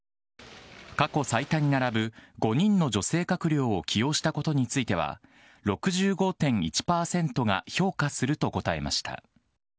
過去最多に並ぶ５人の女性閣僚を起用したことについては、６５．１％が評価すると答えました。